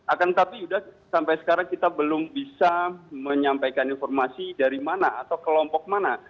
akan tetapi sudah sampai sekarang kita belum bisa menyampaikan informasi dari mana atau kelompok mana